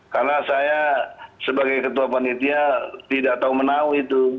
karena saya sebagai ketua panitia tidak tahu menau itu